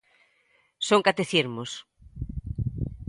Son catecismos.